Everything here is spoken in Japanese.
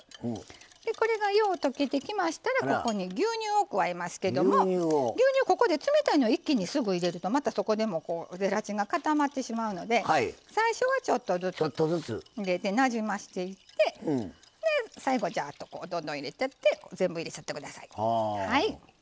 これが、よう溶けてきましたらここに牛乳を加えますけども牛乳、ここで冷たいのを一気に入れてしまうとまた、そこでもゼラチンが固まってしまうので最初は、ちょっとずつ入れてなじませていって、最後どんどん入れちゃって全部入れちゃってください。